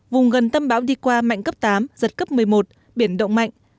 vùng gần tâm bão đi qua mạnh cấp tám giật cấp một mươi một biển động mạnh